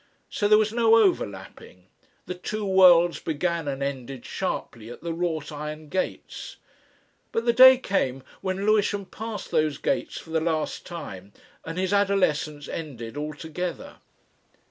So there was no overlapping. The two worlds began and ended sharply at the wrought iron gates. But the day came when Lewisham passed those gates for the last time and his adolescence ended altogether.